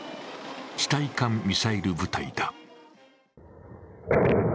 地対艦ミサイル部隊だ。